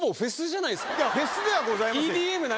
フェスではございません。